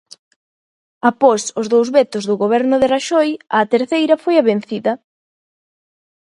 Após os dous vetos do Goberno de Raxoi, á terceira foi a vencida.